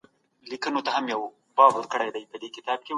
هغه لاره چي د حق ده بايد تعقيب سي.